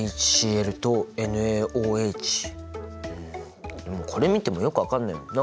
んこれ見てもよく分かんないよ。